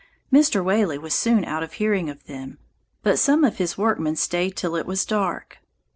Mr. Whaley was soon out of hearing of them; but some of his workmen staid till it was dark.